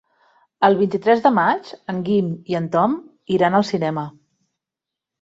El vint-i-tres de maig en Guim i en Tom iran al cinema.